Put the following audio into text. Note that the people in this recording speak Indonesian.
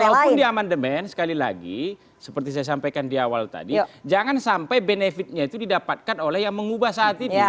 walaupun di amandemen sekali lagi seperti saya sampaikan di awal tadi jangan sampai benefitnya itu didapatkan oleh yang mengubah saat ini